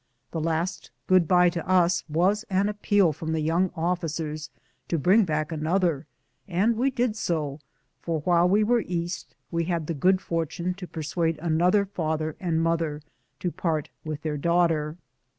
The last good bye to us was an appeal from the young officers to bring back another; and we did so, for while we were East we had the good fortune to persuade another father and mother to part with their daughter.